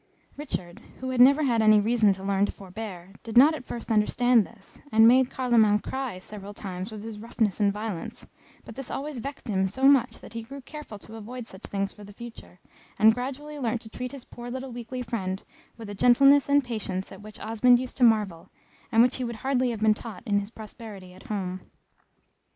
Richard, who had never had any reason to learn to forbear, did not at first understand this, and made Carloman cry several times with his roughness and violence, but this always vexed him so much that he grew careful to avoid such things for the future, and gradually learnt to treat his poor little weakly friend with a gentleness and patience at which Osmond used to marvel, and which he would hardly have been taught in his prosperity at home.